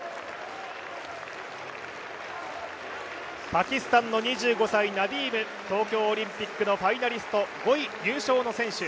パキスタンの２５歳、ナディーム、東京オリンピックのファイナリスト５位入賞の選手。